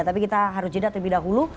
tapi kita harus jeda terlebih dahulu